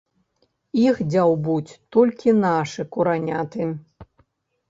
Іх дзяўбуць толькі нашы кураняты.